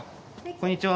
こんにちは。